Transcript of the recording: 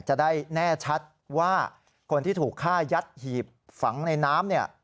จะได้แน่ชัดว่าคนที่ถูกฆ่ายัดหีบฝังในน้ำเนี่ย